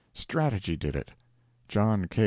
Strategy did it. John K.